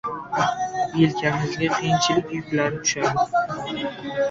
yelkamizga qiyinchiliklar yuki tushadi.